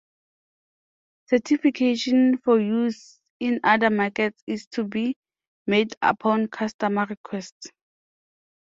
Certification for use in other markets is to be made upon customer request.